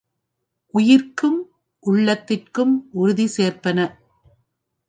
உயிர்க்கும், உள்ளத்திற்கும் உறுதி சேர்ப்பன.